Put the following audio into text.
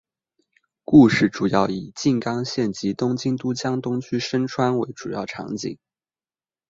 故事主要以静冈县及东京都江东区深川为主要场景。